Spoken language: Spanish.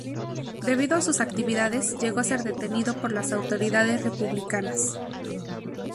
Debido a sus actividades, llegó a ser detenido por las autoridades republicanas.